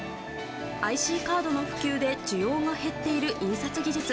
ＩＣカードの普及で需要が減っている印刷技術。